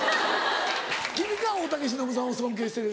君か大竹しのぶさんを尊敬してるのは。